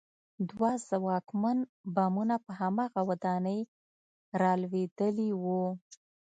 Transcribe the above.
دوه ځواکمن بمونه په هماغه ودانۍ رالوېدلي وو